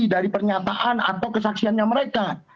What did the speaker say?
dari pernyataan atau kesaksiannya mereka